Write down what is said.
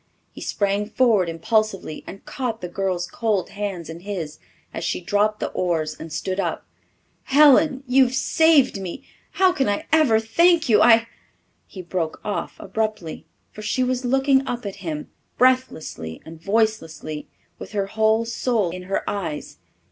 He sprang forward impulsively and caught the girl's cold hands in his as she dropped the oars and stood up. "Helen, you have saved me! How can I ever thank you? I " He broke off abruptly, for she was looking up at him, breathlessly and voicelessly, with her whole soul in her eyes.